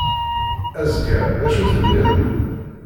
Azekka, d acu tenniḍ?